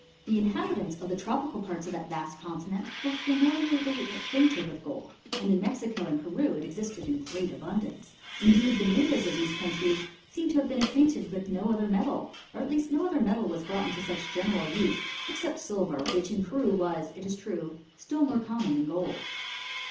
The inhabitants of the tropical parts of that vast continent were familiarly acquainted vith gold ; and in Mexico and Peru it existed in great abundance; indeed the natives of these countries seem to have been acquainted with no other metal, or at least no other metal was brought into such general use, except silver, which in Peru was, it is true, still more common than gold.